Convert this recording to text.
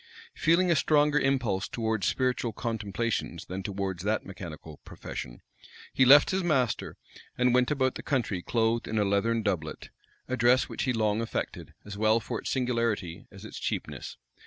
Feeling a stronger impulse towards spiritual contemplations than towards that mechanical profession, he left his master, and went about the country clothed in a leathern doublet, a dress which he long affected, as well for its singularity as its cheapness.